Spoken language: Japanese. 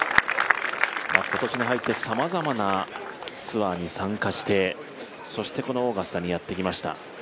今年に入ってさまざまなツアーに参加してそしてこのオーガスタにやってきました。